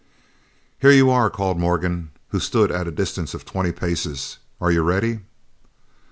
"Here you are," called Morgan, who stood at a distance of twenty paces, "are you ready?"